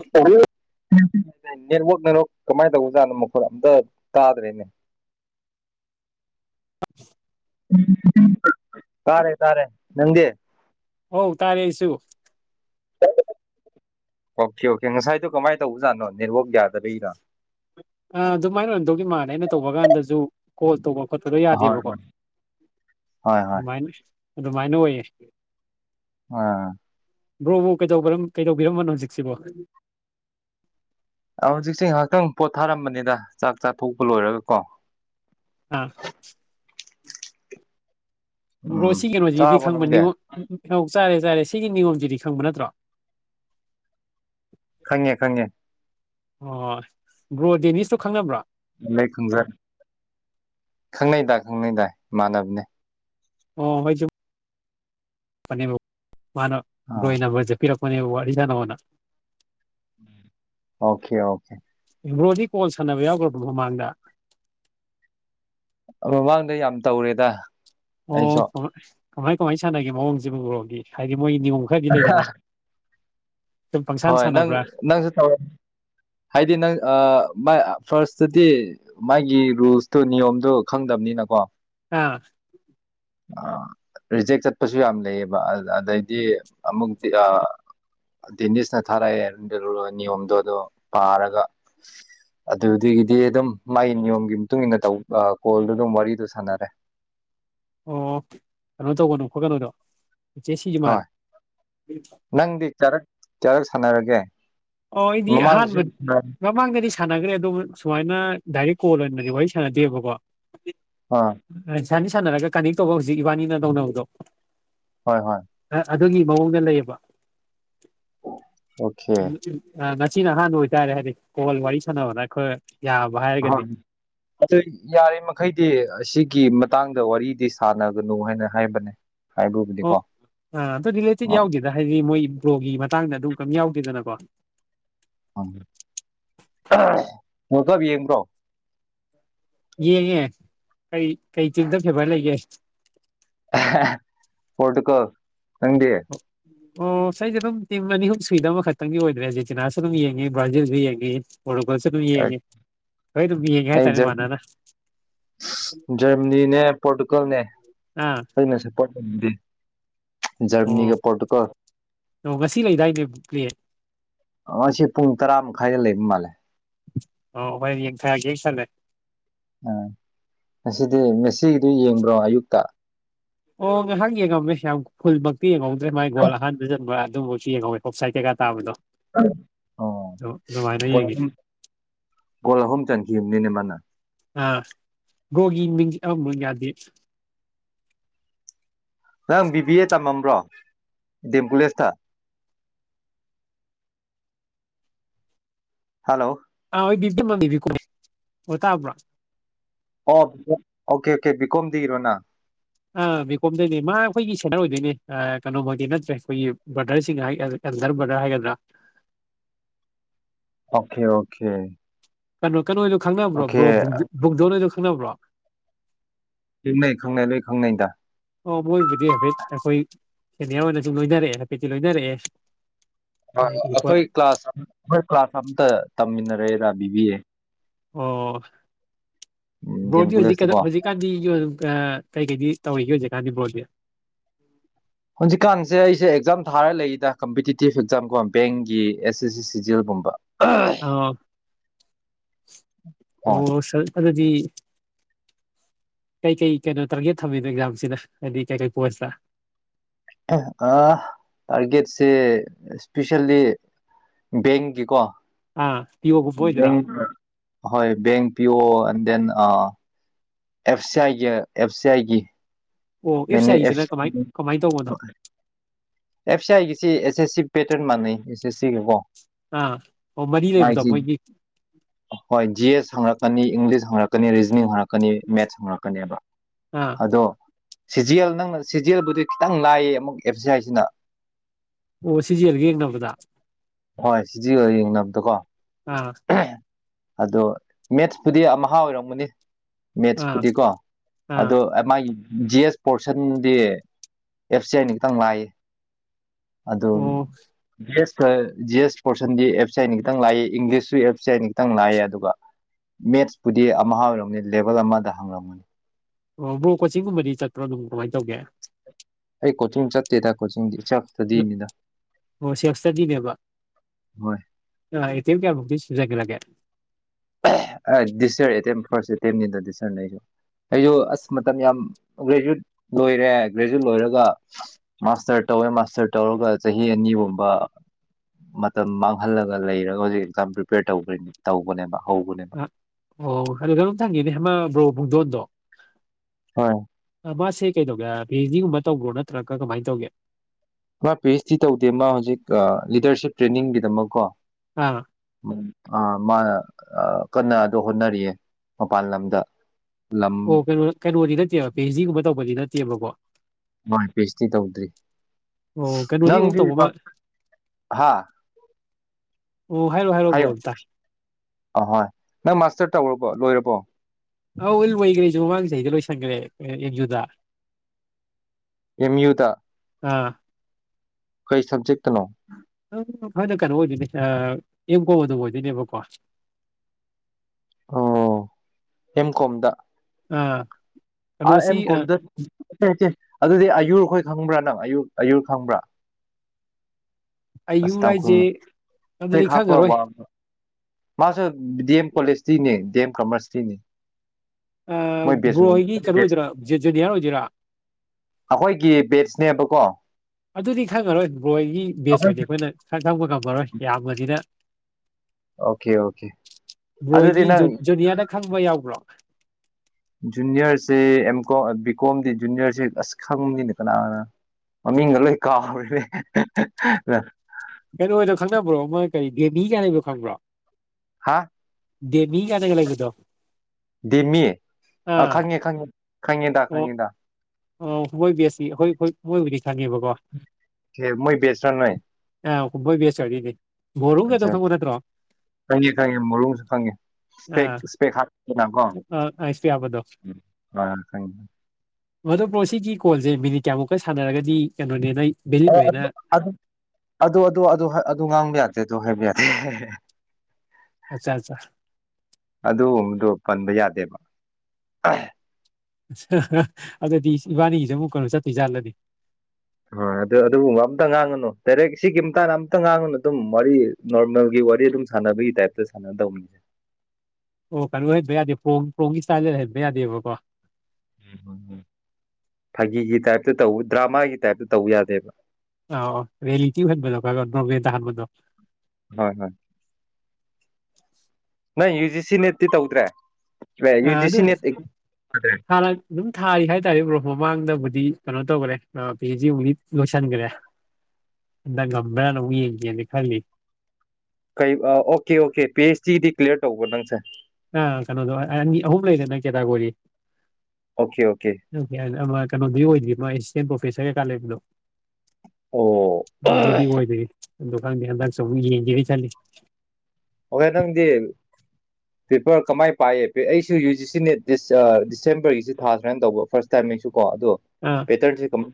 [unintelligible] network ꯅꯥꯔꯣ ꯀꯃꯥꯏꯅ ꯇꯧꯕꯖꯥꯠꯅꯣ ꯃꯈꯣꯟ ꯌꯥꯝ ꯗ ꯇꯥꯗ꯭ꯔꯦꯅꯦ [inaudible] ꯇꯥꯔꯦ ꯇꯥꯔꯦ ꯅꯪꯗꯤ ꯑꯧ ꯇꯥꯔꯦ ꯑꯩꯁꯨ ꯑꯣꯀꯦ ꯑꯣꯀꯦ ꯉꯁꯥꯏꯗꯨꯣ ꯀꯃꯥꯏꯅ ꯇꯧꯕꯖꯥꯠꯅꯣ ꯅꯦꯔꯋꯣꯛ ꯌꯥꯗꯕꯔ ꯑ ꯑꯗꯨꯃꯥꯏꯅ ꯑꯣꯏꯔꯝꯗꯣ ꯗꯤ ꯃꯥꯅ ꯑꯩꯅ ꯇꯧꯕ ꯀꯥꯟꯗꯁꯨ ꯀꯣꯜ ꯇꯧꯕ ꯈꯣꯠꯠꯇꯗꯣ ꯍꯣꯏ ꯌꯥꯗꯦꯕꯀꯣ ꯍꯣꯏ ꯍꯣꯏ ꯍꯣꯏ ꯑꯗꯨꯃꯥꯏꯅ ꯑꯗꯨꯃꯥꯏꯅ ꯑꯣꯏꯌꯦ ꯑꯥ ꯕ꯭ꯔꯣꯕꯨ ꯀꯩꯗꯧꯕꯔꯝ ꯀꯩꯗꯧꯕꯤꯔꯝꯕꯅꯣ ꯍꯧꯖꯤꯛꯁꯤꯕꯣ ꯍꯧꯖꯤꯛꯁꯦ ꯉꯥꯏꯍꯥꯛꯇꯪ ꯄꯣꯠ ꯊꯥꯔꯝꯕꯅꯤꯗ ꯆꯥꯛ ꯆꯥꯊꯣꯛꯄ ꯂꯣꯏꯔꯒꯀꯣ ꯑꯥ ꯕꯔꯣ ꯁꯤ ꯎꯝ ꯀꯩꯅꯣꯁꯤꯗꯤ ꯆꯥꯔꯕꯣ ꯈꯪꯕꯅꯤ ꯅꯪꯗꯤ ꯉꯩ ꯏꯅꯥꯑꯣ ꯆꯥꯔꯦ ꯆꯥꯔꯦ ꯁꯤꯒꯤ ꯅꯤꯌꯣꯝꯁꯤꯗꯤ ꯈꯪꯕ ꯅꯠꯇ꯭ꯔꯣ ꯈꯪꯉꯦ ꯈꯪꯉꯦ ꯍ ꯕ꯭ꯔꯣ ꯗꯦꯅꯤꯁꯇꯣ ꯈꯪꯅꯕ꯭ꯔꯥ ꯂꯩ ꯈꯡꯖ ꯈꯡꯅꯩꯗ ꯈꯡꯅꯩꯗ ꯏꯃꯥꯅꯕꯅꯦ ꯑꯣ ꯍꯣꯏꯁꯨ ꯐꯅꯤꯕ ꯃꯥꯅ ꯑꯥ ꯂꯣꯏꯅꯣꯏꯁꯦ ꯄꯤꯔꯛꯄ ꯃꯅꯤ ꯋꯥꯔꯤꯖꯅ ꯋꯥꯅ ꯑꯣꯀꯦ ꯑꯣꯀꯦ ꯑꯦꯝꯕ꯭ꯔꯣꯗꯤ ꯀꯣꯜ ꯁꯥꯟꯅꯕ ꯌꯥꯎꯈ꯭ꯔꯕ꯭ꯔꯣ ꯃꯃꯥꯡꯗ ꯃꯃꯥꯡꯗ ꯌꯥꯝ ꯇꯧꯔꯦꯗ ꯑꯣ ꯑꯩꯁꯨ ꯍꯣꯏ ꯀꯃꯥꯏ ꯀꯃꯥꯏꯅ ꯁꯥꯟꯅꯦꯑꯣꯡꯁꯤꯕꯨꯔꯣꯒꯤ ꯍꯥꯏ ꯃꯣꯏ ꯅꯤꯌꯣꯝ ꯈꯔꯗꯤ ꯂꯩꯗꯅ ꯑꯗꯨꯝ ꯄꯪꯁꯥꯟ ꯍꯣꯏ ꯅꯪ ꯁꯥꯟꯅꯕ꯭ꯔꯥ ꯅꯪꯁꯨ ꯇꯧ ꯍꯥꯏꯗꯤ ꯅꯪ ꯐꯥꯔꯁꯇꯗꯤ ꯃꯥꯒꯤ ꯔꯨꯜꯁꯇꯣ ꯅꯤꯌꯣꯝꯗꯣ ꯈꯪꯗꯕꯅꯤꯅꯀꯣ ꯑꯥ ꯔꯤꯖꯦꯛ ꯆꯠꯄꯁꯨ ꯌꯥꯝ ꯂꯩꯌꯦꯕ ꯑꯗꯩꯗꯤ ꯑꯃꯨꯛꯇꯤ ꯇꯦꯅꯤꯁꯅ ꯊꯥꯔꯛꯑꯦ ꯅꯤꯌꯣꯝꯗꯣ ꯑꯗꯣ ꯄꯥꯔꯒ ꯑꯗꯨꯒꯤꯗꯤ ꯑꯗꯨꯝ ꯃꯥꯒꯤ ꯅꯤꯌꯣꯝꯒꯤ ꯃꯇꯨꯡ ꯏ ꯃꯇꯨꯡꯏꯟꯅ ꯇꯧ ꯀꯣꯜꯗꯨ ꯑꯗꯨꯝ ꯋꯥꯔꯤꯗ ꯁꯥꯟꯅꯔꯦ ꯑꯣ ꯀꯩꯅꯣ ꯇꯧꯒꯅꯨ ꯈꯠꯀꯩꯅꯣꯗꯣ ꯦꯁꯤ ꯃꯥꯥꯟ ꯍꯣꯏ ꯅꯪꯗꯤ ꯀꯌꯥꯔꯛ ꯀꯌꯥꯔꯛ ꯁꯥꯟꯅꯔꯒꯦ ꯑꯣ ꯑꯩꯗꯤ ꯃꯃꯥꯡꯗꯁꯨ ꯑꯍꯥꯟꯕ ꯃꯃꯥꯡꯗꯗꯤ ꯁꯥꯟꯅꯈ꯭ꯔꯦ ꯑꯗꯨꯝ ꯁꯨꯃꯥꯏꯅ ꯗꯥꯏꯔꯦꯛ ꯀꯣꯜ ꯑꯣꯏꯅꯗꯤ ꯋꯥꯔꯤ ꯁꯥꯟꯅꯗꯦꯕꯀꯣ ꯑꯥ ꯏꯁꯥꯅ ꯁꯥꯟꯅꯔꯒ ꯀꯅꯦꯛ ꯇꯧꯕ ꯍꯧꯖꯤꯛ ꯏꯕꯥꯅꯤꯅ ꯇꯧꯅꯕꯗꯣ ꯍꯣꯏ ꯍꯣꯏ ꯑꯗꯨꯒꯤ ꯃꯑꯣꯡꯗ ꯂꯩꯌꯦꯕ ꯑꯣꯈꯦ ꯉꯁꯤ ꯅ ꯑꯍꯥꯟꯕ ꯑꯣꯏꯇꯥꯔꯦ ꯍꯥꯏꯗꯤ ꯀꯣꯜ ꯋꯥꯔꯤ ꯁꯥꯟꯅꯕꯗ ꯑꯩꯈꯣꯏ ꯌꯥꯕ ꯑ ꯍꯥꯏꯔꯒꯗꯤ ꯑꯗꯨ ꯌꯥꯔꯤꯃꯩꯗꯤ ꯑꯁꯤꯒꯤ ꯃꯇꯥꯡꯗ ꯋꯥꯔꯤꯗꯤ ꯁꯥꯟꯅꯒꯅꯨ ꯍꯥꯏꯅ ꯍꯥꯏꯕꯅꯦ ꯑꯣ ꯍꯥꯏꯕꯕꯨꯗꯤꯀꯣ ꯑ ꯑꯗꯨꯣ ꯔꯤꯂꯦꯇꯤꯠ ꯌꯥꯎꯗꯦꯗ ꯍꯥꯏꯗꯤ ꯃꯣꯏ ꯭ꯔꯣꯒꯤ ꯃꯇꯥꯡꯗ ꯑꯗꯨꯝ ꯀꯝ ꯌꯥꯎꯗꯦꯗꯅꯀꯣ ꯃꯀ ꯌꯦꯌꯦꯡꯕ꯭ꯔꯣ ꯌꯦꯡꯉꯦ ꯀꯔꯤ ꯀꯩ ꯆꯨꯝꯗꯒꯦꯕ ꯂꯩꯒꯦ ꯄꯣꯇꯨꯀꯣ ꯅꯪꯗꯤꯦ ꯑꯣ ꯏꯁꯩꯁꯦ ꯑꯗꯨꯝ ꯇꯤꯝ ꯑꯅꯤꯍꯨꯝ ꯁꯨꯤꯗ ꯑꯃꯈꯛꯇꯪꯒꯤ ꯑꯣꯏꯗ꯭ꯔꯦ ꯖꯦꯆꯤꯅꯥꯁꯨ ꯑꯗꯨꯝ ꯌꯦꯡꯉ ꯡꯉꯤ ꯕ꯭ꯔꯥꯖꯤꯜꯁꯨ ꯌꯦꯡꯉꯤ ꯄꯣꯔꯇꯨꯒꯜꯁꯨ ꯑꯗꯨꯝ ꯌꯦꯡꯉꯦ ꯍꯣꯏ ꯑꯗꯨꯝ ꯌꯦꯡꯉꯦ ꯑꯩ ꯍꯥꯏꯇꯥꯔꯦ ꯏꯃꯅꯅ ꯖꯔꯃꯅꯤꯅꯦ ꯑꯥ ꯍꯝꯗꯤ ꯑꯣ ꯑꯣ ꯉꯁꯤ ꯂꯩꯗꯥꯏꯗꯌꯦ ꯑ ꯄꯨꯡ ꯇꯔꯥ ꯃꯈꯥꯏꯗ ꯂꯩꯕ ꯃꯥꯜꯂꯦ ꯑꯣ ꯚꯥꯏ ꯌꯦꯡꯊꯔꯒꯦ ꯈꯜꯂꯦ ꯑꯥ ꯉꯁꯤꯗꯤ ꯃꯦꯁꯤꯒꯤꯗꯨ ꯌꯦꯡꯕ꯭ꯔꯣ ꯑꯌꯨꯛꯇ ꯑꯣ ꯉꯍꯥꯛ ꯌꯦꯡꯉꯝꯃꯦ ꯌꯥꯝ ꯐꯨꯜ ꯃꯛꯇꯤ ꯌꯦꯡꯍꯧ ꯃꯥꯏ ꯒꯣꯜ ꯑꯍꯥꯟꯕꯩ ꯆꯟꯕ ꯑꯗꯨꯝ ꯕꯧꯗꯤ ꯌꯦꯡꯍꯧꯋꯦ ꯑꫭꯐꯁꯥꯏꯠꯇꯒ ꯇꯥꯕꯗꯣ ꯑꯣ ꯑꯗꯨ ꯑꯗꯨꯃꯥꯏꯅ ꯒꫭꯜ ꯌꯦꯡꯉꯤ ꯑꯍꯨꯝ ꯒꫭꯜ ꯑꯍꯨꯝ ꯆꯟꯈꯤꯕꯅꯤꯅꯦ ꯃꯥꯅ ꯑꯥ ꯒꫭꯒꯤ ꯃꯤꯡ ꯑꯝꯕꯧ ꯌꯥꯗꯦ ꯅꯪ ꯕꯤꯕꯤ ꯑꯦ ꯇꯝꯃꯝꯕ꯭ꯔꯣ ꯗꯦꯝ ꯀꯨꯂꯦꯁꯇ ꯍꯜꯂꯣ [unintelligible] ꯑꯣ ꯇꯕ꯭ꯔꯥ ꯑꯣꯕꯤ [unintelligible] ꯑꯣꯀꯦ ꯑꯣꯀꯦ ꯕꯤꯀꯣꯝꯗꯤ ꯔꯣꯅꯥ ꯑ ꯕꯤ ꯀꯣꯝꯗꯩꯅꯦ ꯃꯥ ꯑꯩꯈꯣꯏꯒꯤ ꯁꯦꯅꯤꯌꯥꯔ ꯑꯣꯏꯗꯣꯏꯅꯦ ꯀꯩꯅꯣꯃꯗꯤ ꯅꯠꯇ꯭ꯔꯦ ꯑꯩꯈꯣꯏꯒꯤ ꯕ꯭ꯔꯗꯔꯁꯤꯡ ꯍꯥꯏ ꯑ ꯑꯜꯗꯔ ꯕ꯭ꯔꯗꯔ ꯍꯥꯏꯒꯗ꯭ꯔꯥ ꯑꯣꯀꯦ ꯑꯣꯀꯦ ꯀꯅꯨꯠ ꯀꯩꯅꯣ ꯍꫭꯏꯗꫭ ꯈꯪꯅꯕ꯭ꯔꯣ ꯑꯣꯀꯦ ꯕ꯭ꯔꯣ ꯕꯨꯡꯗꯣꯟꯍꫭꯏꯗꯣ ꯈꯪꯅꯕ꯭ꯔꯣ ꯈꯪꯅꯩ ꯈꯪꯅꯩ ꯂꯣꯏ ꯈꯪꯅꯩꯗ ꯑꯣ ꯃꯣꯏꯕꯨꯗꯤ ꯍꯥꯏꯐꯦꯠ ꯑꯩꯈꯣꯏ ꯁꯦꯅꯤꯌꯔ ꯑꯣꯏꯅ ꯁꯨꯝ ꯂꯣꯏꯅꯔꯛꯑꯦ ꯍꯥꯏꯐꯦꯠꯇꯤ ꯂꯣꯏꯅꯔꯛꯑꯦ ꯑ ꯔꯤꯄꯣꯔꯠ ꯑꯩꯈꯣꯏ ꯀ꯭ꯂꯥꯁ ꯑꯝ ꯑꯩꯈꯣꯏ ꯀ꯭ꯂꯥꯁ ꯑꯝꯇ ꯇꯝꯃꯤꯟꯅꯔꯦ ꯌꯥ ꯕꯤ ꯕꯤ ꯑꯦ ꯑꯣ ꯎꯝ ꯗꯤ ꯑꯦꯝ ꯕ꯭ꯔꯣꯔꯗꯤ ꯍꯧꯖꯤꯛ ꯀꯣꯂꯦꯖꯇꯀꯣ ꯀꯩꯗꯧ ꯍꯧꯖꯤꯛꯀꯥꯟꯗꯤ [unintelligible] ꯀꯩ ꯀꯩꯗꯤ ꯇꯧꯔꯤꯒꯦ ꯍꯧꯖꯤꯛ ꯑꯦꯅꯤꯕꫭꯗꯤ ꯍꯧꯖꯤꯛꯀꯥꯟꯁꯦ ꯑꯩꯁꯦ ꯑꯦꯛꯖꯥꯝ ꯊꯥꯔ ꯂꯩꯗ ꯀꯝꯄꯤꯇꯤꯇꯤꯞ ꯑꯦꯛꯖꯥꯝ ꯀꫭ ꯕꯦꯡꯒꯤ ꯑꯦꯁ S C C G L ꯒꯨꯝꯕ ꯑꯑꯣ ꯍꯣꯏ ꯑꫭ ꯁ ꯑꯗꯨ ꯗꯤ ꯀꯩꯀꯩ ꯀꯩꯅꯣ ꯇꯥꯔꯒꯦꯠ ꯊꯝꯃꯤꯅꯣ ꯑꯦꯛꯖꯥꯝꯁꯤꯗ ꯍꯥꯏꯗꯤ ꯀꯩꯀꯩ ꯄꯣꯁꯇ ꯑ ꯇꯥꯔꯒꯦꯠꯁꯦ ꯁ꯭ꯄꯤꯁꯦꯜꯂꯤ ꯕꯦꯡꯒꯤꯀꯣ ꯑꯥ ꯄꯤꯌꯣꯒꯨꯝꯕ ꯑꯣꯏꯗꯣꯏꯔꯥ ꯕꯦꯡ ꯍꯣꯏ ꯄꯤ ꯑꯣ ꯗꯦꯟ ꯑ ꯑꯦꯐ ꯁꯤ ꯑꯥꯏꯒ ꯑꯦꯐ ꯁꯤ ꯑꯥꯏꯒꯤ ꯑꯣ ꯑꯦꯐ ꯁꯤ ꯑꯥꯏꯒꯤꯁꯤꯅ ꯀꯃꯥꯏ ꯀꯃꯥꯏꯅ ꯇꯧꯕꯅꯣ ꯑꯦꯐꯥꯏꯒꯤꯁꯤ ꯑꯦꯁ ꯑꯦꯁ ꯁꯤ ꯄꯦꯇꯔꯟ ꯃꯥꯟꯅꯩ ꯑꯦꯁ ꯑꯦꯁ ꯁꯤꯒ ꯀꯣ ꯑꯥ ꯑꯣ ꯃꯔꯤ ꯂꯩꯕꯗꯣ ꯑꯥꯏꯁꯤ ꯃꯣꯏꯒꯤ ꯍꯣꯏ ꯖꯤ ꯑꯦꯁ ꯍꯪꯉꯛ ꯀꯅꯤ ꯏꯪꯂꯤꯁ ꯍꯪꯉꯛꯀꯅꯤ ꯔꯤꯖꯅꯤꯡ ꯍꯪꯛꯀꯅꯤ ꯃꯦꯠꯁ ꯍꯪꯉꯛꯀꯅꯦꯕ ꯑꯥ ꯑꯗꯣ ꯁꯤ ꯖꯤ ꯑꯦꯜ ꯅꯪꯅ ꯁꯤ ꯖꯤ ꯑꯦꯜꯕꯨꯗꯤ ꯈꯤꯇꯪ ꯂꯥꯏꯌꯦ ꯑꯃꯨꯛ ꯑꯦꯐ ꯁꯤ ꯑꯥꯏꯁꯤꯅ ꯑꯣ ꯁꯤ ꯑꯦꯜꯒ ꯌꯦꯡꯅꯕꯗ ꯗꯨ ꯀꯣ ꯑꯥ ꯑꯗꯣ ꯃꯦꯠꯁꯄꯨꯗꯤ ꯑꯍꯥ ꯑꯣꯏꯔꯝꯒꯅꯤ ꯑꯥ ꯃꯦꯠꯁꯄꯨꯗꯤꯀꯣ ꯑꯥ ꯑꯗꯣ ꯃꯥꯒꯤ ꯖꯤ ꯑꯦꯁ ꯄꯣꯔꯁꯟꯗꯤ ꯑꯦꯐ ꯁꯤ ꯑꯥꯏꯅ ꯈꯤꯇꯪ ꯂꯥꯛ ꯑꯗ ꯑꯣ ꯖꯤ ꯑꯦꯁ ꯄꯣꯔꯁꯟꯗꯤ ꯑꯦꯞ ꯁꯤ ꯑꯥꯏꯅꯤ ꯈꯤꯇꯪ ꯂꯥꯛꯏ ꯏꯪꯂꯤꯁꯁꯨ ꯑꯦꯞ ꯁꯤ ꯑꯥꯏꯅꯤ ꯈꯤꯇꯪ ꯂꯥꯛꯏꯦ ꯑꯗꯨꯒ ꯃꯦꯠꯁꯄꯨꯗꯤ ꯑꯃ ꯑꯣꯏꯔꯝꯒꯅꯤ ꯂꯦꯕꯦꯜ ꯑꯃꯗ ꯍꯪꯂꯝꯝꯒꯅꯤ ꯑꯣ ꯕ꯭ꯔꯣ ꯀꯣꯆꯤꯡꯒꯨꯝꯕꯗꯤ ꯆꯠꯄ꯭ꯔꯣ ꯑꯗꯨꯝ ꯀꯃꯥꯏꯅ ꯇꯧꯒꯦ ꯑꯩ ꯀꯣꯆꯤꯡ ꯆꯠꯠꯇꯦ ꯊꯥ ꯀꯣꯆꯤꯡꯗꯤ ꯆꯠꯇꯗꯤꯅꯤꯗ ꯑꯣ ꯁꯦꯁꯗꯤꯅꯦꯦꯕ ꯍꯣꯏ ꯑꯇ ꯀꯌꯥ ꯐꯈꯤ ꯖꯒꯦ ꯂꯒꯦ ꯗꯤꯁꯔ ꯑꯦꯇꯦꯝ ꯐꯥꯔꯁ ꯑꯦꯇꯦꯝꯅꯤꯗ ꯗꯤꯁꯇꯔꯅꯦ ꯑꯩꯁꯨ ꯑꯩꯁꯨ ꯑꯁ ꯃꯇꯝ ꯌꯥꯝ ꯒ꯭ꯔꯦꯖꯨꯋꯦꯠ ꯂꯣꯏꯔꯦ ꯒ꯭ꯔꯦꯖꯨꯋꯦꯠ ꯂꯣꯏꯔꯒ ꯃꯥꯁꯇꯔ ꯇꯧꯋꯦ ꯃꯥꯁꯇꯔ ꯇꯧꯔꯒ ꯆꯍꯤ ꯑꯅꯤꯒꯨꯝꯕ ꯃꯇꯝ ꯃꯥꯡꯍꯜꯂꯒ ꯂꯩꯔꯒ ꯍꯧꯖꯤꯛ ꯑꯦꯛꯖꯥꯝ ꯄ꯭ꯔꯤꯄꯦꯔ ꯇ ꯇꯧꯕꯅꯦꯕ ꯍꯧꯕꯅꯦꯕ ꯑ ꯑꯣ ꯑꯗꯨ ꯀꯩꯅꯣꯝ ꯊꯪꯒꯦꯅꯦ ꯍꯦꯃ ꯕ꯭ꯔꯣ ꯄꯨꯕꯨꯗꯣꯗꯣ ꯍꯣꯏ ꯃꯥꯁꯦ ꯀꯩꯗꯧꯒꯦ ꯤꯖꯤꯅꯤꯒꯨꯝꯕ ꯇꯧꯕ꯭ꯔꯣ ꯅꯠꯇ꯭ꯔꯒ ꯀꯃꯥꯏꯅ ꯇꯧꯒꯦ ꯃꯥ ꯄꯤ ꯑꯩꯩꯆ ꯗꯤ ꯇꯧꯗꯦ ꯃꯥ ꯍꯧꯖꯤꯛ ꯂꯤꯗꯔꯁꯤꯞ ꯇ꯭ꯔꯦꯅꯤꯡꯒꯤꯗꯃꯛꯀꯣ ꯑꯥ ꯑ ꯃꯥ ꯑ ꯀꯟꯅ ꯑꯗꯨꯣ ꯍꯣꯠꯅꯔꯤꯌꯦ ꯃꯄꯥꯟ ꯂꯝꯗ ꯂꯝ ꯑꯣ ꯀꯩꯅꯣ ꯀꯩꯅꯣꯗꯤ ꯅꯠꯇꯦꯕ ꯄꯦꯖꯤꯒꯨꯝꯕ ꯇꯧꯕꯗꯤ ꯅꯠꯇꯦ ꯀꯦꯕꯣ ꯃꯥꯏ ꯄꯦꯁꯇꯤ ꯇꯧꯗ꯭ꯔꯤ ꯑꯣ ꯀꯩꯅꯣꯗꯤ ꯑꯃꯨꯛ ꯅꯪꯗꯤ ꯇꯧꯕ ꯃꯥ ꯍꯥ ꯑꯣ ꯍꯥꯏꯔꯣ ꯍꯥꯏꯔꯣ ꯕ꯭ꯔꯣ ꯍꯥꯏꯌꯣ ꯑꯝꯇ ꯑꯍꯣꯏ ꯅꯪ ꯃꯥꯁꯇꯔ ꯇꯧꯔꯕꯣ ꯂꯣꯏꯔꯕꯣ ꯑ ꯑꯣꯏꯈ꯭ꯔꯦꯁꯨ ꯃꯃꯥꯡ ꯆꯍꯤꯗ ꯂꯣꯏꯁꯟꯈ꯭ꯔꯦ ꯌꯦꯟꯖꯨꯗ ꯑꯦꯝ ꯌꯨꯗ ꯑꯥ ꯀꯩ ꯁꯕꯖꯦꯛꯇꯅꯣ ꯑꯩꯈꯣꯏꯅ ꯀꯩꯅꯣ ꯑꯣꯏꯗꯣꯏꯅꯦ ꯑꯦꯝꯀꯣꯗ ꯑꯣꯏꯗꯣꯏꯅꯦꯕꯀꯣ ꯑꯣ ꯑꯦꯝ ꯀꯣꯝꯗ ꯑꯥ ꯀꯩꯅꯣꯁꯤ ꯑꯥꯦꯝ ꯑ ꯀꯣꯝꯗ ꯑꯗꯨꯗꯤ ꯑꯌꯨꯨꯔ ꯈꯈꯣꯏ ꯈꯪꯕ꯭ꯔꯥ ꯅꯪ ꯑꯌꯨꯛ ꯑꯌꯨꯛ ꯈꯪꯕ꯭ꯔꯥ ꯑꯩ ꯑꯁ ꯌꯨꯔ ꯇꯥꯡꯈꯨꯜ ꯍꯥꯏꯁꯦ ꯍꯦꯛ ꯑꯗꯨꯗꯤ ꯍꯥꯞꯄ ꯈꯪꯈꯔꯣꯏ ꯋꯥ ꯃꯥꯁꯨ ꯗꯤ ꯑꯦꯝ ꯀꯣꯂꯦꯖꯇꯤꯅꯦ ꯗꯤ ꯑꯦꯝ ꯀꯃꯔꯁꯇꯤꯅꯦ ꯃꯣꯏ ꯕꯦꯁ ꯕ꯭ꯔꯣꯍꯣꯏꯒꯤ ꯆꯠꯂ ꯑꯩꯈꯣꯏꯒꯤ ꯑꯣꯏꯗꯣꯏꯔꯥ ꯖꯨꯅꯤꯌꯥꯔ ꯑꯣꯏꯗꯣꯏꯔꯥ ꯑꯩꯈꯣꯏꯒꯤ ꯕꯦꯠꯁꯅꯦꯕꯀꯣ ꯑꯗꯨꯗꯤ ꯈꯪꯈꯔꯣꯏ ꯒꯤ ꯕꯦꯁ ꯑꯩꯈꯣꯏ ꯑꯣꯏꯗꯤ ꯑꯩꯈꯣꯏꯅ [inaudible] ꯀꯝꯃꯔꯣꯏ ꯌꯥꯝꯕꯅꯤꯅꯥ ꯑꯣꯀꯦ ꯑꯣꯀꯦ ꯕ꯭ꯔꯣꯏꯒꯤ ꯑꯗꯨꯗꯤ ꯅꯪ ꯖꯨꯅꯤꯌꯥꯗ ꯈꯪꯕ ꯌꯥꯎꯕ꯭ꯔꯣ ꯖꯨꯅꯤꯌꯔꯁꯦ ꯑꯦꯝ ꯀꯣ ꯕꯤ ꯀꯣꯝꯗꯤ ꯖꯨꯅꯤꯌꯔꯁꯦ ꯑꯁ ꯈꯪꯕꯅꯤꯅ ꯀꯅꯥꯅꯣ ꯃꯃꯤꯡꯒ ꯂꯣꯏ ꯀꯥꯎꯔꯦ [inaudible] ꯃꯣꯏ ꯀꯔꯤ ꯑꯦ ꯕꯤ ꯀꯥꯏꯅ ꯂꯩꯕꯗꯣ ꯈꯪꯕ꯭ꯔꯣ ꯍꯥꯥ ꯗꯦ ꯃꯤ ꯒꯥꯏꯅꯥ ꯂꯩꯕꯗꯣ ꯗꯤꯃꯤ ꯑꯥ ꯈꯪꯉꯦ ꯈꯪꯉꯦ ꯈꯪꯉꯦꯗ ꯑꯣ ꯈꯪꯉꯦꯗ ꯑꯣ ꯃꯣꯏ ꯕꯦꯁꯁꯤ ꯑꯩꯈꯣꯏ ꯃꯣꯏꯕꯨꯗꯤ ꯈꯪꯉꯦꯕꯀꯣ ꯃꯣꯏ ꯕꯦꯁꯔꯥ ꯅꯣꯏ ꯑ ꯈꯨꯨꯕꯣꯏ ꯕꯦꯁ ꯑꯣꯏꯗꯣꯏꯅꯦ ꯕꯣꯔꯨꯒꯗꯣ ꯈꯪꯕ ꯅꯠꯇ꯭ꯔꯣ [inaudible] ꯈꯪꯉꯦ ꯈꯪꯉꯦ ꯃꯔꯣꯡꯁꯨ ꯈꯪꯉꯦ ꯏꯁ ꯑꯥ ꯏꯁꯄꯦꯛ ꯍꯥꯞꯅ ꯀꯣ ꯑꯥꯏꯁ ꯎꯝ [inaudible] ꯈꯪꯉꯦ ꯃꯗꯨ ꯄ꯭ꯔꯣ ꯁꯤꯒꯤ ꯀꯣꯜꯁꯦ ꯃꯤꯅꯤꯠ ꯀꯌꯥꯃꯨꯛꯀꯗꯤ ꯁꯥꯟꯅꯔꯒꯗꯤ [inaudible] ꯑꯣꯏꯅ ꯑꯗꯨ ꯑꯗꯨ ꯉꯥꯡꯕ ꯌꯥꯗꯦ ꯑꯗꯨ ꯍꯥꯏꯕꯥ ꯌꯥꯗꯦ ꯑꯠꯆꯥ ꯑꯠꯆꯥ ꯑꯗꯨꯒꯨꯝꯕꯗꯣ ꯄꯟꯕ ꯌꯥꯗꯦꯕ ꯑꯗꯨꯗꯤ ꯏꯕꯥꯅꯤꯒꯤꯁꯨꯦ ꯑꯃꯨꯛ ꯀꯩꯅꯣ ꯆꯠꯇꯣꯏꯖꯥꯠꯂꯅꯦ ꯍꯣꯏ ꯑꯗꯨ ꯑꯗꯨꯒꯨꯝꯕ ꯑꯝꯇ ꯉꯥꯡꯉꯅꯨ ꯗꯥꯏꯔꯦꯛ ꯁꯤꯒꯤ ꯃꯇꯥꯡꯗ ꯑꯝꯇ ꯉꯥꯡꯉꯅꯨ ꯑꯗꯨꯝ ꯋꯥꯔꯤ ꯅꯣꯔꯃꯦꯜꯒꯤ ꯋꯥꯔꯤ ꯑꯗꯨꯝ ꯁꯥꯟꯅꯕꯒꯤ ꯇꯥꯏꯞꯇ ꯁꯥꯟꯅꯗꯧꯅꯦ ꯑꯣ ꯀꯩꯅꯣ ꯍꯩꯕ ꯌꯥꯗꯦ [inaudible] ꯏꯁꯇꯥꯏꯜꯗ ꯍꯟꯕ ꯌꯥꯗꯦꯕꯀꯣ ꯎꯝ ꯎꯝ ꯎꯝ ꯐꯥꯒꯤꯒꯤ ꯇꯥꯏꯞꯇ ꯇꯧ ꯗ꯭ꯔꯃꯥꯒꯤ ꯇꯥꯏꯞꯇ ꯇꯧ ꯌꯥꯗꯦꯕ [inaudible] ꯍꯣꯏ ꯍꯣꯏ [inaudible] ꯅꯪ ꯌꯨ ꯖꯤ ꯁꯤ ꯅꯠꯇꯤ ꯇꯧꯗ꯭ꯔꯦ ꯑ ꯌꯨ ꯖꯤ ꯑꯗꯨ ꯁꯤ ꯅꯦꯠ ꯑꯦꯛꯖꯥꯝ ꯊꯥꯗ꯭ꯔꯦ ꯍꯥꯟꯅ ꯑꯗꯨꯝ ꯊꯥꯔꯤ ꯍꯥꯏꯇꯥꯔꯦꯔꯤꯕ꯭ꯔꯣ ꯃꯃꯥꯡꯗꯕꯨꯗꯤ ꯀꯩꯅꯣ ꯇꯧꯈꯔꯦ ꯄꯤ ꯍꯩꯁ ꯗꯤ ꯂꯣꯏꯁꯟꯈ꯭ꯔꯦ ꯉꯝꯕ꯭ꯔꯥꯅ ꯑꯃꯨꯛ ꯌꯦꯡꯒꯦꯅ ꯈꯜꯂꯤ ꯀꯩ okay okay P H D D clear ꯇꯧꯕ ꯅꯪꯁꯦ ꯑ ꯀꯩꯅꯣꯗꯣ ꯑꯅꯤ ꯑꯍꯨꯝ ꯂꯩꯗꯥꯅꯥ ꯀꯦꯇꯥꯒꯣꯔꯤ ꯑꯣꯀꯦ ꯑꯣꯀꯦ ꯀꯩꯅꯣꯗꯤ ꯑꯣꯏꯗꯦ [inaudible] ꯍꯦꯗ ꯑꯣꯐꯤꯁ ꯀꯩꯀꯥ ꯂꯩꯕꯗꯣ ꯑꯣ ꯑꯗꯨꯗꯨꯗꯤ ꯑꯣꯏꯗꯔ꯭ꯤ ꯑꯗꯨ ꯈꯪꯗꯦ ꯍꯟꯗꯛꯁꯨ ꯑꯃꯨꯛ ꯌꯦꯡꯒꯦ ꯈꯜꯂꯤ ꯑꯣꯍꯦ ꯅꯪꯗꯤ ꯄꯦꯄꯔ ꯀꯃꯥꯏꯅ ꯄꯥꯏꯌꯦ ꯑꯩꯁꯨ ꯌꯨ ꯖꯤ ꯁꯤꯅꯦ ꯗꯤꯁꯦꯝꯕꯔꯒꯤꯁꯨ ꯊꯥ ꯁꯥꯏꯅ ꯇꯧꯕ ꯐꯥꯔꯁ ꯇꯥꯏꯝ ꯑꯩꯁꯨ ꯀꯣ ꯑꯗꯣ ꯑꯥ ꯄꯦꯇꯔꯟꯁꯦ ꯀꯃꯥꯏ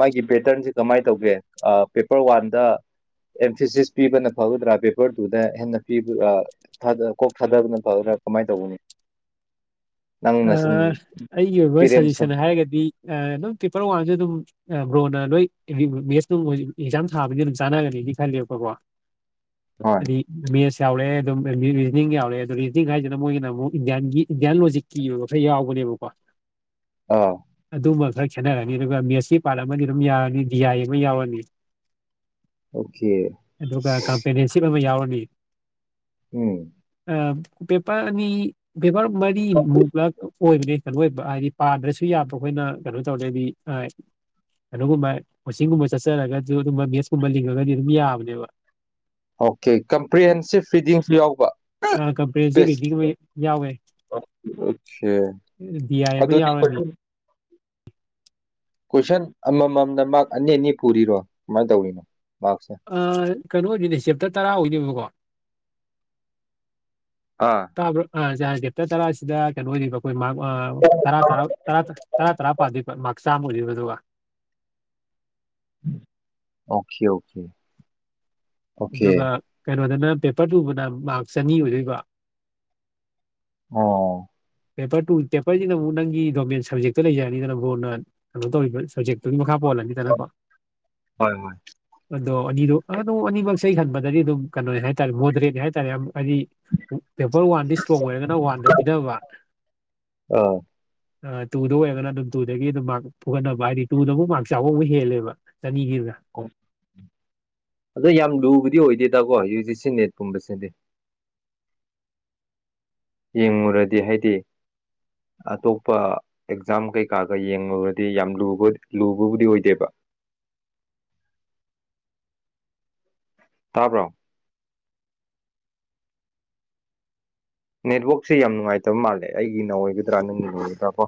ꯃꯥꯒꯤ ꯄꯦꯇꯔꯟꯁꯦ ꯀꯃꯥꯏꯅ ꯇꯧꯒꯦ ꯄꯦꯄꯔ ꯋꯥꯟꯗ ꯑꯦꯝꯐꯤꯁꯤꯁ ꯄꯤꯕꯅ ꯐꯒꯗ꯭ꯔꯥ ꯄꯦꯄꯔ ꯇꯨꯗ ꯍꯦꯟꯅ ꯀꯣꯛ ꯊꯥꯗꯕꯅ ꯊꯗꯅ ꯀꯃꯥꯏꯅ ꯇꯧꯕꯅꯤ ꯅꯪꯅ ꯁꯨꯝ ꯑꯩꯒꯤ ꯑꯣꯏꯕ ꯁꯖꯦꯁꯟ ꯄꯦꯔꯦꯟꯁꯇꯣ ꯍꯥꯏꯔꯒꯗꯤ ꯑꯗꯨꯝ ꯄꯦꯄꯔ ꯋꯥꯟꯁꯨ ꯑꯗꯨꯝ ꯕ꯭ꯔꯣꯅ ꯅꯣꯏ ꯃꯦꯠꯁ ꯑꯦꯛꯖꯥꯝ ꯊꯥꯕꯅꯤꯅ ꯑꯗꯨꯝ ꯆꯥꯟꯅꯒꯅꯤꯗꯤ ꯈꯜꯂꯦꯕꯀꯣ [inaudible] ꯍꯣꯏ [inaudible] ꯆꯥꯎꯔꯦ ꯑꯗꯨꯝ ꯔꯤꯖꯅꯤꯡ ꯌꯥꯎꯔꯦ ꯑꯗꯣ ꯔꯤꯖꯅꯤꯡ ꯍꯥꯏꯁꯤꯅ ꯃꯣꯏꯒꯤꯅ ꯑꯃꯨꯛ ꯏꯟꯗꯤꯌꯥꯟꯒꯤ ꯏꯟꯗꯤꯌꯥꯟ ꯂꯣꯖꯤꯛ ꯀꯤꯌ ꯉꯁ ꯌꯥꯎꯕꯅꯦꯕꯀꯣ ꯑꯥ ꯑꯗꯨ ꯃꯈꯔ ꯈꯦꯠꯅꯔꯅꯤ ꯑꯗꯨꯒ ꯃꯦꯁꯤ ꯄꯥꯔꯠ ꯑꯃꯗꯤ ꯑꯗꯨꯝ ꯌꯥꯔꯅꯤ ꯗꯤ ꯑꯥꯏ ꯑꯃ ꯌꯥꯎꯔꯅꯤ ꯑꯣꯀꯦ ꯑꯗꯨꯒ ꯀꯝꯄꯅꯤꯁꯤ ꯌꯥꯎ ꯍ ꯎꯝ ꯄꯦꯄꯔꯅꯤ ꯄꯦꯕꯔ ꯃꯔꯤ ꯑꯣꯏꯕꯅꯦ ꯀꯩꯅꯣ ꯑꯣꯏꯕ ꯍꯥꯏꯗꯤ ꯄꯥꯗ꯭ꯔꯁꯨ ꯌꯥꯕ ꯑꯩꯈꯣꯏꯅ ꯀꯩꯅꯣ ꯇꯧꯔꯗꯤ ꯀꯩꯅꯣꯒꯨꯝꯕ ꯀꯣꯆꯤꯡꯒꯨꯝꯕ ꯆꯠꯆꯔꯒꯁꯨ ꯑꯗꯨꯝꯕꯕ ꯃꯦꯠꯁꯀꯨꯝꯕ ꯂꯤꯡꯉꯒꯗꯤ ꯑꯗꯨꯝ ꯌꯥꯕꯅꯦꯕ ꯑꯣꯀꯦ ꯀꯝꯄ꯭ꯔꯤꯍꯦꯟꯁꯤꯞ ꯔꯤꯗꯤꯡꯁꯨ ꯌꯥꯎꯕ ꯀꯝꯄ꯭ꯔꯦꯟꯁꯤꯞ ꯔꯤꯗꯤꯡ ꯑꯃ ꯌꯥꯎꯋꯦ ꯈꯦ ꯗꯤ ꯑꯥꯏ ꯑꯃ ꯑꯗꯨꯗꯤ ꯀ ꯌꯥꯎꯔꯅꯤ ꯀꯣꯏꯁꯟ ꯑꯃꯃꯝꯗ ꯃꯥꯔꯛ ꯑꯅꯤ ꯑꯅꯤ ꯄꯨꯔꯤꯔꯣ ꯀꯃꯥꯏꯅ ꯇꯧꯔꯤꯅꯣ ꯃꯥꯔꯛꯁꯦ ꯑ ꯀꯩꯅꯣ ꯑꯣꯏꯗꯣꯏꯅꯦ ꯆꯦꯞꯇꯔ ꯇꯔꯥ ꯑꯣꯏꯗꯣꯏꯕꯀꯣ ꯑꯥ ꯑ ꯗꯦꯞꯇ ꯇꯔꯥꯁꯤꯗ ꯀꯩꯅꯣꯧꯔꯤꯕ ꯑꯩꯈꯣꯏ ꯃꯥꯔꯛ ꯇꯔꯥ ꯇꯔꯥ ꯇꯔꯥ ꯇꯔꯥ ꯇꯔꯥ ꯄꯥꯗꯣꯢꯕ ꯃꯥ ꯆꯥꯝꯃ ꯑꯣꯢꯗꯣꯢꯕ ꯑꯗꯨꯒ ꯑꯣꯀꯦ ꯑꯣꯀꯦ ꯑꯣꯀꯦ ꯑꯗꯨꯒ ꯀꯩꯅꯣꯗꯅ ꯄꯦꯄꯔ ꯄꯨꯨꯕꯅ ꯃꯥꯔꯛꯁ ꯆꯅꯤ ꯑꯣꯏꯗꯣꯏꯕ ꯑꯣ ꯄꯦꯄꯔ ꯇꯨ ꯄꯦꯄꯔꯁꯤꯅ ꯑꯃꯨꯛ ꯅꯪꯒꯤ ꯗꯣꯃꯦꯟ ꯁꯞꯖꯦꯛꯇ ꯂꯩꯖꯔꯅꯤꯗꯅ ꯕꯣꯔꯅ ꯀꯩꯅꯣ ꯇꯧꯔꯤꯕ ꯁꯕꯖꯦꯛꯇꯨꯒꯤ ꯃꯈꯥ ꯄꯣꯜꯂꯅꯤꯗꯅꯀꯣ ꯍꯣꯏ ꯍꯣꯏ ꯑꯗꯣ ꯑꯅꯤꯗꯣ ꯑꯅꯤꯃꯛꯁꯦ ꯍꯟꯕꯗꯗꯤ ꯑꯗꯨꯝ ꯀꯩꯅꯣ ꯍꯥꯏꯇꯥꯔꯦ ꯃꯣꯗꯔꯦꯠ ꯍꯥꯏꯇꯥꯔꯦ ꯍꯥꯏꯗꯤ ꯄꯦꯄꯔ ꯋꯥꯟꯗꯤ ꯏꯁꯇ꯭ꯔꯣꯡ ꯑꯣꯏꯔꯒꯅ ꯋꯥꯟꯗ ꯄꯤꯅꯕ ꯑꯥ ꯇꯨꯗꯨ ꯑꯣꯏꯔꯒꯅ ꯑꯗꯨꯝ ꯇꯨꯗꯒꯤ ꯑꯗꯨꯝ ꯃꯥꯔꯛ ꯐ ꯄꯨꯈꯠꯅꯕ ꯍꯥꯏꯗꯤ ꯇꯨꯗ ꯑꯃꯨꯛ ꯃꯥꯔꯛ ꯆꯥꯛꯍꯧꯕ ꯍꯦꯜꯂꯦꯕ ꯆꯅꯤꯒꯤꯗ ꯑꯗꯣ ꯌꯥꯝ ꯭ꯂꯨꯕꯗꯤ ꯑꯣꯏꯗꯦꯗꯀꯣ ꯌꯨꯖꯤ ꯁꯤ ꯅꯦꯠꯀꯨꯝꯕꯁꯤꯗꯤ ꯌꯦꯡꯉꯨꯔꯗꯤ ꯍꯥꯏꯗꯤ ꯑꯇꯣꯞꯄ ꯑꯦꯛꯖꯥꯝ ꯀꯩꯀꯥꯒ ꯌꯦꯡꯂꯨꯔꯗꯤ ꯌꯥꯝ ꯂꯨꯕꯕꯨꯗꯤ ꯑꯣꯏꯗꯦꯕ ꯇꯥꯄꯔꯣ ꯅꯦꯠꯋꯥꯛꯁꯦ ꯌꯥꯝ ꯅꯨꯡꯉꯥꯏꯇꯕ ꯃꯥꯜꯂꯦ ꯑꯩꯒꯤꯅ ꯑꯣꯏꯒꯗ꯭ꯔꯥ ꯅꯪꯒꯤ ꯑꯣꯏꯒꯗ꯭ꯔꯥ ꯀꯣ